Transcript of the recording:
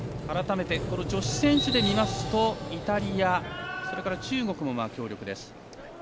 改めて女子選手で見ますとイタリア、中国も強力です。